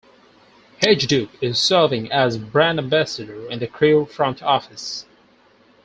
Hejduk is serving as "Brand Ambassador" in the Crew front office.